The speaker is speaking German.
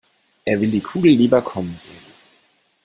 Er will die Kugel lieber kommen sehen.